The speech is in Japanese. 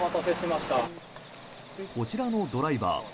こちらのドライバー